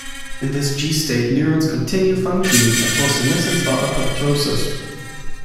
In this G state, neurons continue functioning until senescence or apoptosis.